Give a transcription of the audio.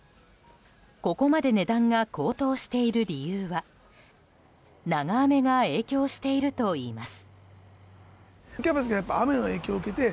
ここまで値段が高騰している理由は長雨が影響しているといいます。